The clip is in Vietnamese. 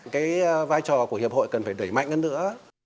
cái vai trò của hiệp hội cần phải đẩy mạnh hơn nữa